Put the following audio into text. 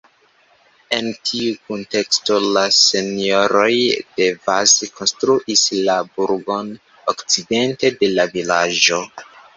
En tiu kunteksto la Senjoroj de Vaz konstruis la burgon okcidente de la vilaĝo.